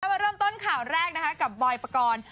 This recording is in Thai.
มาเริ่มต้นข่าวแรกนะคะกับบอยปกรณ์